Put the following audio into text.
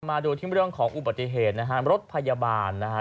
มาดูที่เรื่องของอุบัติเหตุนะฮะรถพยาบาลนะฮะ